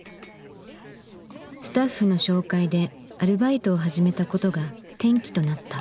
スタッフの紹介でアルバイトを始めたことが転機となった。